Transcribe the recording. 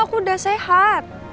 aku udah sehat